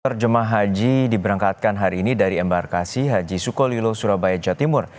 terjemah haji diberangkatkan hari ini dari embarkasi haji sukolilo surabaya jawa timur